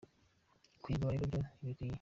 Kuyigura rero byo ntibikwiye